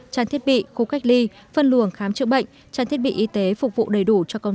tràn thiết bị khu cách ly phân luồng khám chữa bệnh tràn thiết bị y tế phục vụ đầy đủ cho công